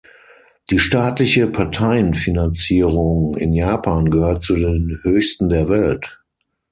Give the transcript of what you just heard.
Die staatliche Parteienfinanzierung in Japan gehört zu den höchsten der Welt.